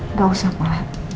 nggak usah pak